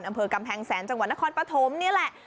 อำเภอกำแพงแสนจังหวัดนครปฐมนี่แหละ